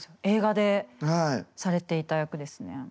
映画でされていた役ですね。